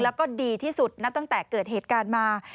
แล้วก็ดีที่สุดนะตั้งแต่เกิดเหตุการณ์มา